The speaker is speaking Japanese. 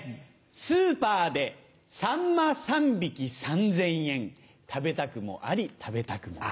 スーパーでサンマ３匹３０００円食べたくもあり食べたくもなし。